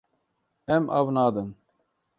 Em av nadin.